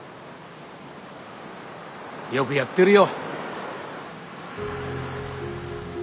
よくやってるよ。